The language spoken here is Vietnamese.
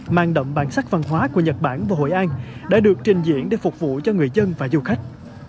mang đậm bản sắc văn hóa của nhật bản và hội an đã được trình diễn để phục vụ cho người dân và du khách